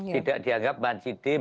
tidak dianggap banjidil